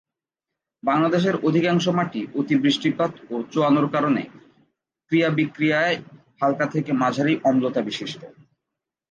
বাংলাদেশের অধিকাংশ মাটি অতি বৃষ্টিপাত ও চোয়ানোর কারণে ক্রিয়া-বিক্রিয়ায় হাল্কা থেকে মাঝারি অম্লতাবিশিষ্ট।